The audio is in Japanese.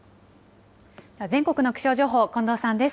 全国の気象情報、近藤さんです。